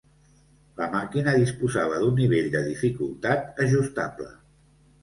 La màquina disposava d'un nivell de dificultat ajustable.